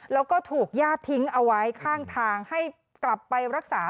แล้วก็ถูกญาติทิ้งเอาไว้ข้างทางให้กลับไปรักษา